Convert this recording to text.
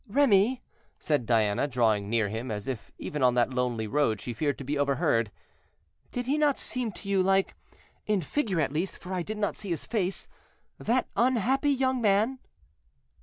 "Remy," said Diana, drawing near him, as if even on that lonely road she feared to be overheard, "did he not seem to you like (in figure, at least, for I did not see his face) that unhappy young man?"